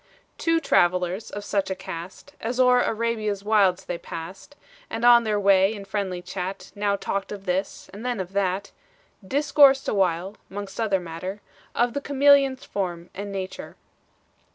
Two travelers of such a cast, As o'er Arabia's wilds they passed And on their way in friendly chat, Now talked of this, and then of that, Discoursed awhile, 'mongst other matter. Of the chameleon's form and nature.